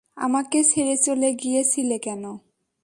আমাকে ছেড়ে চলে গিয়েছিলে কেন?